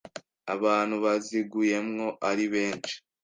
abantu baziguyemwo ari benshi